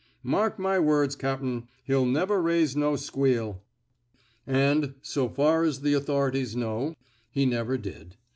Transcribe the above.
Mark my words, cap'n, he'll never raise no squeal." And, so far as the authorities know, he never did.